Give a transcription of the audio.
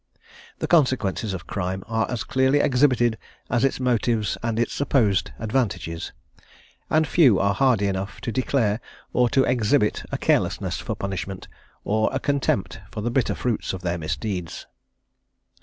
The consequences of crime are as clearly exhibited as its motives and its supposed advantages, and few are hardy enough to declare or to exhibit a carelessness for punishment, or a contempt for the bitter fruits of their misdeeds.